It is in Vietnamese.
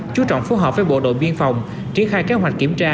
chú trọng phối hợp với bộ đội biên phòng triển khai kế hoạch kiểm tra